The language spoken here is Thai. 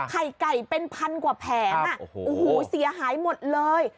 ไข่ไก่เป็นพันกว่าแผงโอ้โหเสียหายหมดเลย